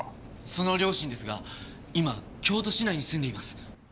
その両親ですが今京都市内に住んでいます。